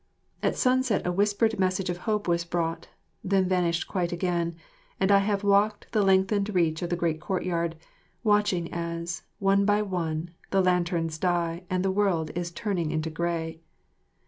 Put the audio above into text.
At sunset a whispered message of hope was brought, then vanished quite again, and I have walked the lengthened reach of the great courtyard, watching as, one by one, the lanterns die and the world is turning into grey.